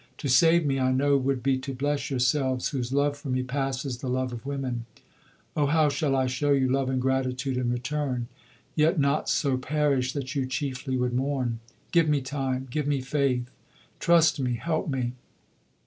To save me, I know would be to bless yourselves, whose love for me passes the love of women. Oh how shall I show you love and gratitude in return, yet not so perish that you chiefly would mourn! Give me time, give me faith. Trust me, help me.